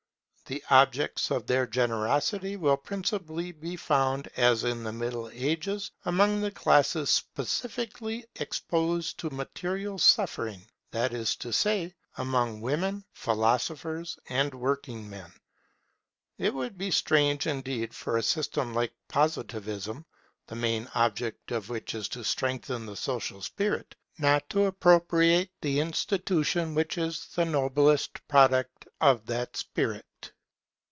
The objects of their generosity will principally be found, as in the Middle Ages, among the classes specially exposed to material suffering, that is to say, among women, philosophers, and working men. It would be strange indeed for a system like Positivism, the main object of which is to strengthen the social spirit, not to appropriate the institution which is the noblest product of that spirit.